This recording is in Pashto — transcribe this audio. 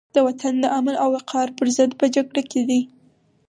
د وطن د امن او وقار پرضد په جګړه کې دي.